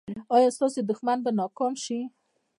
ایا ستاسو دښمن به ناکام شي؟